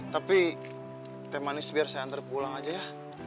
tapi teh manis biar saya antar pulang aja ya